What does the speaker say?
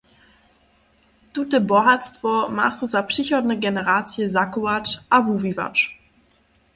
Tute bohatstwo ma so za přichodne generacije zachować a wuwiwać.